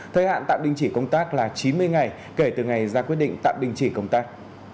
thời hạn tạm đình chỉ công tác là chín mươi ngày kể từ ngày ra quyết định tạm đình chỉ công tác